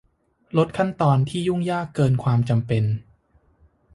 ลดขั้นตอนที่ยุ่งยากเกินความจำเป็น